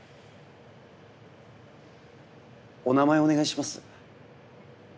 お名前をお願いします。